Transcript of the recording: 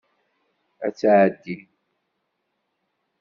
Ad tɛeddi.